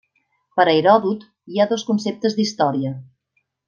Per a Heròdot, hi ha dos conceptes d'història.